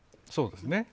そうですね。